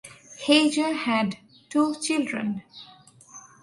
Hager had two children.